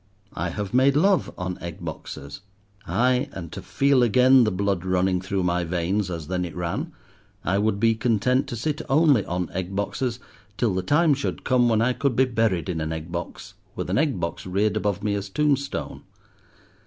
I have made love on egg boxes.—Aye, and to feel again the blood running through my veins as then it ran, I would be content to sit only on egg boxes till the time should come when I could be buried in an egg box, with an egg box reared above me as tombstone.